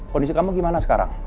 kondisi kamu gimana sekarang